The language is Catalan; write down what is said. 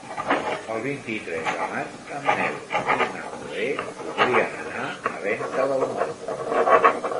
El vint-i-tres de maig en Nel i na Chloé voldrien anar a Venta del Moro.